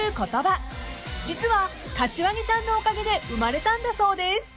［実は柏木さんのおかげで生まれたんだそうです］